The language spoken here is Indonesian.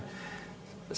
saya kecewa dengan itu